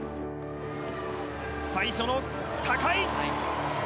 最初、高い。